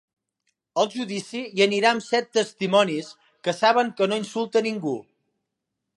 Al judici hi anirà amb set testimonis que saben que no insulta ningú.